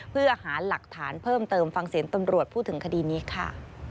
เพื่อหาหลักฐานเพิ่มเติมฟังเสียงตำรวจพูดถึงคดีนี้ค่ะ